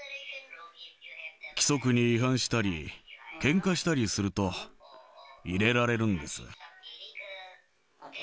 規則に違反したり、けんかしたりすると、入れられるんです。